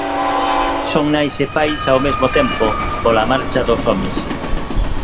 Son nais e pais ao mesmo tempo pola marcha dos homes.